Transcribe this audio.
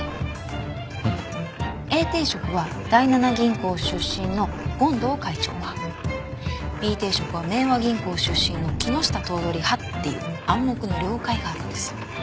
Ａ定食は第七銀行出身の権藤会長派Ｂ定食は明和銀行出身の木下頭取派っていう暗黙の了解があるんです。